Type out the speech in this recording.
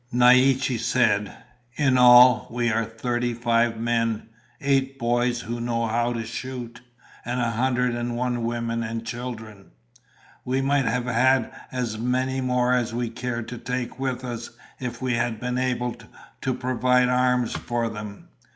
Naiche said, "In all, we are thirty five men, eight boys who know how to shoot, and a hundred and one women and children. We might have had as many more as we cared to take with us if we had been able to provide arms for them.